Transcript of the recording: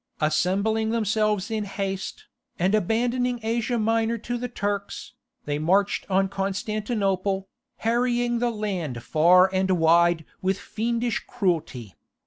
Assembling themselves in haste, and abandoning Asia Minor to the Turks, they marched on Constantinople, harrying the land far and wide with fiendish cruelty.